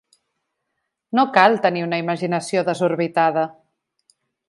No cal tenir una imaginació desorbitada.